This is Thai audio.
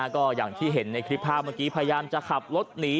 ก็อย่างที่เห็นในคลิปภาพเมื่อกี้พยายามจะขับรถหนี